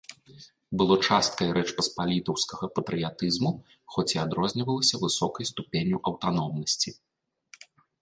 Было часткай рэчпаспалітаўскага патрыятызму, хоць і адрознівалася высокай ступенню аўтаномнасці.